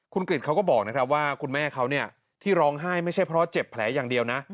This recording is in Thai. คุณกริจเขาก็บอกนะครับว่าคุณแม่เขาที่ร้องไห้ไม่ใช่เพราะเจ็บแผลอย่างเดียวนะ